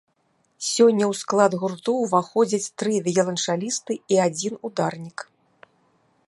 Сёння ў склад гурту ўваходзяць тры віяланчалісты і адзін ударнік.